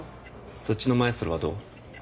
そっちのマエストロはどう？